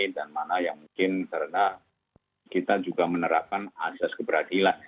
dan mana yang mungkin karena kita juga menerapkan asas keberadilan